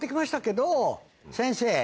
先生